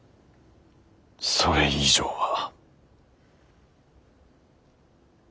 それ以上は。